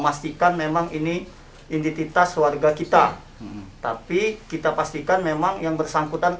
memastikan memang ini identitas warga kita tapi kita pastikan memang yang bersangkutan